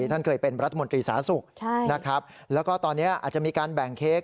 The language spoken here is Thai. ท่านเคยเป็นรัฐมนตรีสาธารณสุขนะครับแล้วก็ตอนนี้อาจจะมีการแบ่งเค้ก